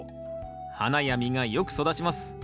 花や実がよく育ちます。